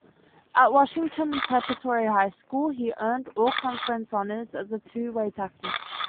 At Washington Preparatory High School he earned All-Conference honors as a two-way tackle.